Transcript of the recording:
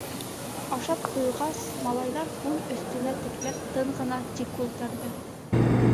Ашап туйғас, малайҙар, күл өҫтөнә текләп, тын ғына тик ултырҙы.